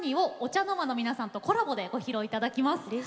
ＯＣＨＡＮＯＲＭＡの皆さんとのコラボでご披露いただきます。